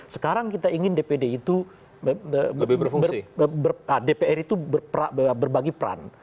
sekarang kita ingin dpd itu berbagi peran